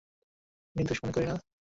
সে বলল, আমি আমাকে নির্দোষ মনে করি না।